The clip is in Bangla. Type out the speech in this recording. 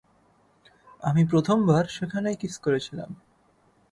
আমি প্রথমবার সেখানেই কিস করেছিলাম।